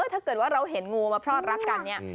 ถ้าเกิดว่าเราเห็นงูมาพลอดรักกันเนี่ย